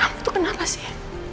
namu itu kenapa sih